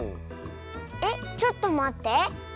えっちょっとまって。